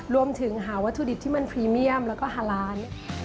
รวมถึงหาวัตถุดิบที่มันพรีเมียมแล้วก็ฮาลานซ์